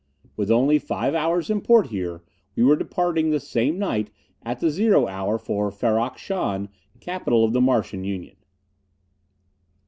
With only five hours in port here, we were departing the same night at the zero hour for Ferrok Shahn, capital of the Martian Union.